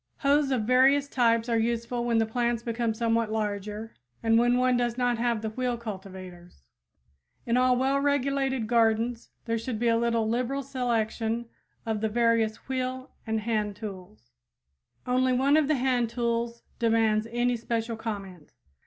Hoes of various types are useful when the plants become somewhat larger or when one does not have the wheel cultivators. In all well regulated gardens there should be a little liberal selection of the various wheel and hand tools. Only one of the hand tools demands any special comment.